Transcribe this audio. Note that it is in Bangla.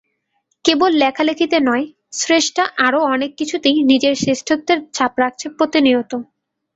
কেবল লেখালেখিতে নয়, শ্রেষ্ঠা আরও অনেক কিছুতেই নিজের শ্রেষ্ঠত্বের ছাপ রাখছে প্রতিনিয়ত।